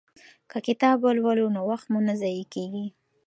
که کتاب ولولو نو وخت مو نه ضایع کیږي.